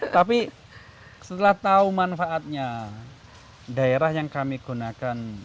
tapi setelah tahu manfaatnya daerah yang kami gunakan